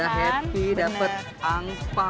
masih pada happy dapet angpaun